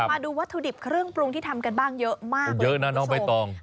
มาดูวัตถุดิบเครื่องปรุงที่ทำกันบ้างเยอะมากเลยคุณผู้ชม